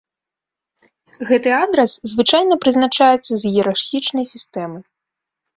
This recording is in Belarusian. Гэты адрас звычайна прызначаецца з іерархічнай сістэмы.